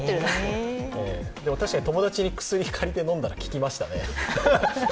でも、友達に薬借りて飲んだら効きましたね。